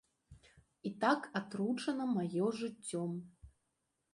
І так атручана маё жыццё.